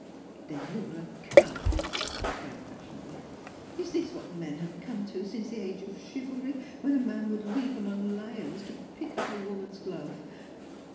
"Then you are a coward !" she cried passionately. "Is this what men have come to since the age of chivalry, when a man would leap among lions to pick up a woman's glove